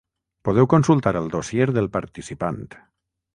Podeu consultar el dossier del participant.